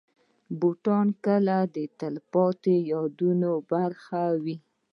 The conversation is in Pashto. بوټونه کله د تلپاتې یادونو برخه وي.